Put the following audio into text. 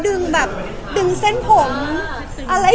พอเสร็จจากเล็กคาเป็ดก็จะมีเยอะแยะมากมาย